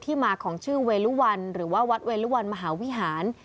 ที่มาของชื่อเวลวันหรือวัตรเวลวันมหาวิหาร